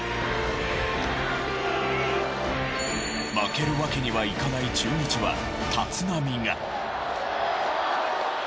負けるわけにはいかない中日は立浪が。